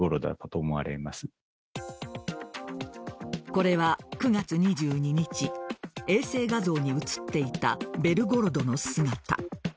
これは９月２２日衛星画像に写っていた「ベルゴロド」の姿。